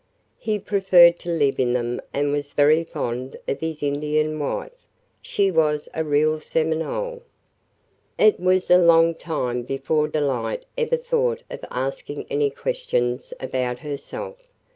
He preferred to live in them and was very fond of his Indian wife. She was a real Seminole. It was a long time before Delight ever thought of asking any questions about herself.